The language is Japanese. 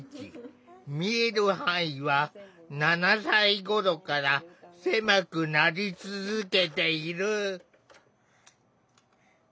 見える範囲は７歳頃から狭くなり続けている。